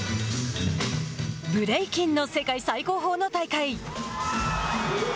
ブレイキンの世界最高峰の大会。